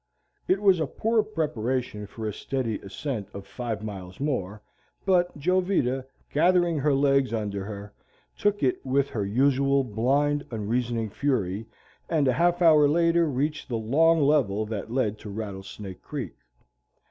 It was a poor preparation for a steady ascent of five miles more; but Jovita, gathering her legs under her, took it with her usual blind, unreasoning fury, and a half hour later reached the long level that led to Rattlesnake Creek.